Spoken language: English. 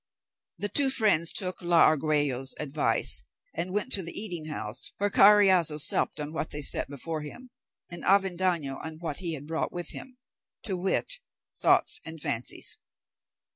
The two friends took la Argüello's advice, and went to an eating house, where Carriazo supped on what they set before him, and Avendaño on what he had brought with him, to wit, thoughts and fancies.